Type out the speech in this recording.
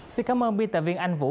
xin cảm ơn biên tập viên anh vũ